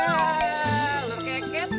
wah lu keket